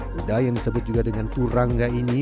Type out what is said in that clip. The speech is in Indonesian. kuda yang disebut juga dengan purangga ini